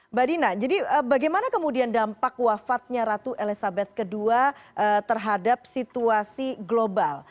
mbak dina jadi bagaimana kemudian dampak wafatnya ratu elizabeth ii terhadap situasi global